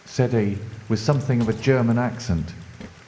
said he, with something of a German accent.